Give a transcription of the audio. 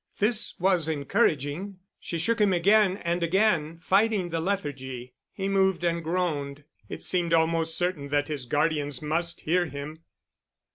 This was encouraging. She shook him again and again, fighting the lethargy. He moved and groaned. It seemed almost certain that his guardians must hear him.